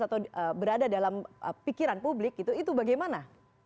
atau berada dalam pikiran publik itu bagaimana